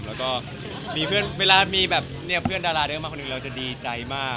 แล้วก็เวลามีแบบเพื่อนดาราเดิ้งมาคนอื่นเราจะดีใจมาก